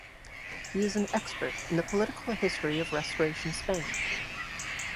He is an expert in the political history of Restoration Spain.